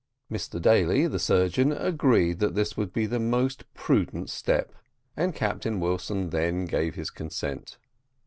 Mr Daly, the surgeon, agreed that this would be the most prudent step, and Captain Wilson then gave his consent.